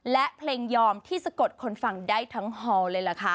และเพลงยอมที่สะกดคนฟังได้ทั้งฮอลเลยล่ะค่ะ